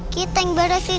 kita yang barengin